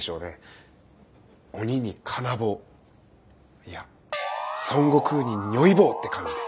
鬼に金棒いや孫悟空に如意棒って感じで。